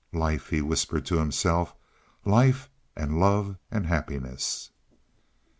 "Life," he whispered to himself. "Life and love and happiness."